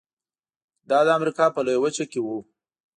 دا د امریکا په لویه وچه کې و.